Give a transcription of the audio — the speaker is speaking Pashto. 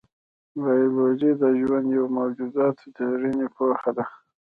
بایولوژي د ژوندیو موجوداتو د څېړنې پوهه ده.